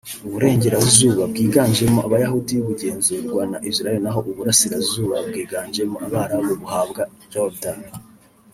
uburengerazuba bwiganjemo Abayahudi bugenzurwa na Israel naho uburasirazuba bwiganjemo Abarabu buhabwa Jordan